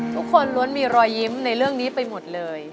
ทุกคนล้วนมีรอยยิ้มในเรื่องนี้ไปหมดเลย